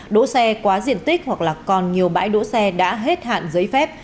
đỗ xe quá diện tích hoặc là còn nhiều bãi đỗ xe đã hết hạn giấy phép